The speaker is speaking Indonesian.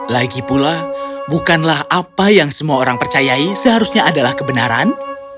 lagi pula bukanlah apa yang semua orang percayai seharusnya adalah kebenaran